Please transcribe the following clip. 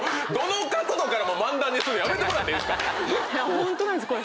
ホントなんですこれ。